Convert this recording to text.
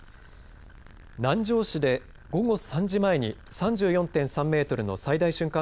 南城市で午後３時前に３４．３メートルの最大瞬間